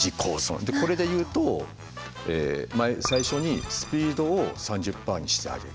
これでいうと最初にスピードを３０％にしてあげる。